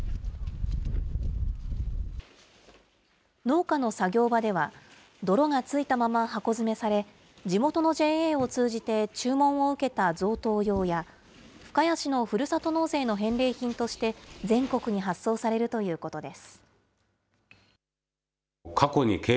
農家の作業場では、泥がついたまま箱詰めされ、地元のＪＡを通じて注文を受けた贈答用や、深谷市のふるさと納税の返礼品として、全国に発送されるということです。